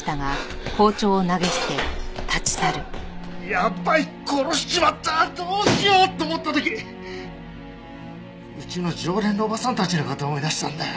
やばい殺しちまったどうしようと思った時うちの常連のおばさんたちの事思い出したんだよ。